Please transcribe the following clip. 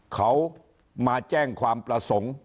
เขามาแจ้งความประสงค์